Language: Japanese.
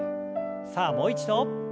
さあもう一度。